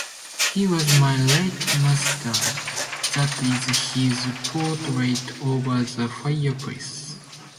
He was my late master: that is his portrait over the fireplace.